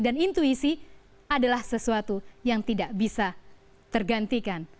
dan intuisi adalah sesuatu yang tidak bisa tergantikan